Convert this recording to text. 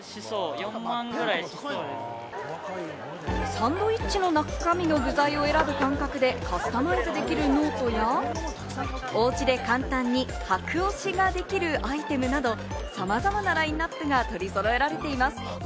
サンドイッチの中身の具材を選ぶ感覚でカスタマイズできるノートや、お家で簡単に箔押しができるアイテムなど、さまざまなラインナップが取り揃えられています。